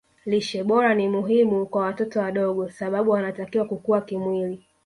lishe bora ni muhimu kwa watoto wadogo sababu wanatakiwa kukua kimwili